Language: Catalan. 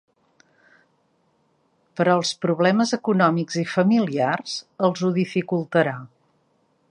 Però els problemes econòmics i familiars els ho dificultarà.